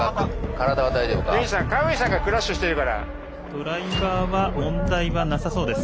ドライバーは問題はなさそうです。